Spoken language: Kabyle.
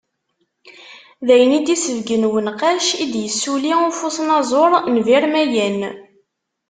Dayen i d-isebgen unqac i d-isuli ufusnaẓur n Vermeyene.